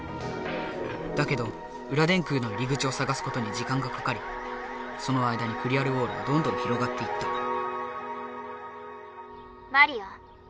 だけど裏電空の入り口をさがすことに時間がかかりその間にクリアルウォールはどんどん広がっていったマリア。